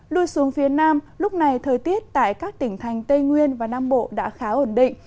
lui xuống phía nam lúc này thời tiết tại các tỉnh thành tây nguyên và nam bộ đã khá ổn định